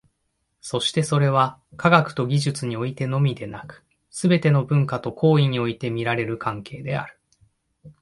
そしてそれは、科学と技術においてのみでなく、すべての文化と行為において見られる関係である。